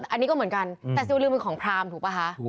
อันนี้ก็เหมือนกันแต่สิวรึงมันของพราหมณ์ถูกป่ะฮะ